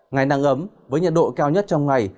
ngày nắng ấm với nhiệt độ cao nhất trong ngày